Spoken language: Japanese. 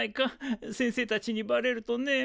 先生たちにバレるとねえ